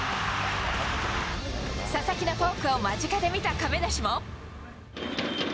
佐々木のフォークを間近で見た亀梨も。